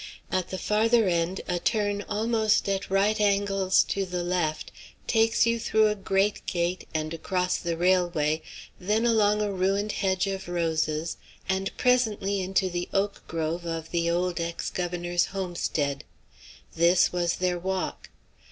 At the farther end a turn almost at right angles to the left takes you through a great gate and across the railway, then along a ruined hedge of roses, and presently into the oak grove of the old ex governor's homestead. This was their walk.